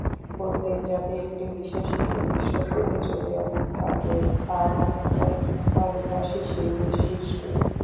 প্রত্যেক জাতিই একটি বিশেষ নির্দিষ্ট পথে চলিয়া থাকে, আর ধর্মই ভারতবাসীর সেই বৈশিষ্ট্য।